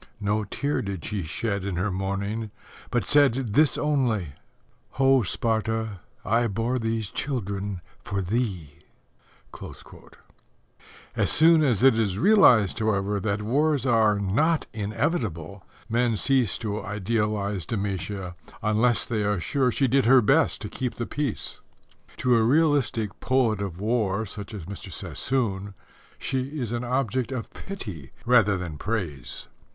No tear did she shed in her mourning, but said this only: "Ho, Sparta, I bore these children for thee." As soon as it is realized, however, that wars are not inevitable, men cease to idealize Demætia, unless they are sure she did her best to keep the peace. To a realistic poet of war such as Mr. Sassoon, she is an object of pity rather than praise.